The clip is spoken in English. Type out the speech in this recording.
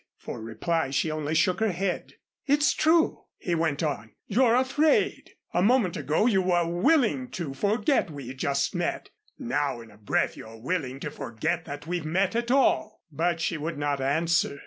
For reply she only shook her head. "It's true," he went on. "You're afraid. A moment ago, you were willing to forget we had just met. Now in a breath you're willing to forget that we've met at all." But she would not answer.